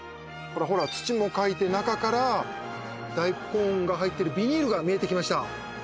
ほらほら土もかいて中から大根が入ってるビニールが見えてきました